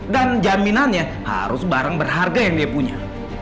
dan jaminannya harus barang berharga yang dia punya